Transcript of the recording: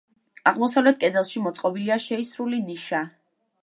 აღმოსავლეთ კედელში მოწყობილია შეისრული ნიშა.